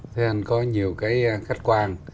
thì anh có nhiều cái khách quan